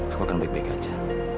aku akan baik baik aja